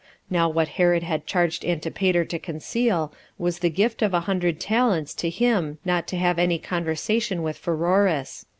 [Now what Herod had charged Antipater to conceal, was the gift of a hundred talents to him not to have any conversation with Pheroras.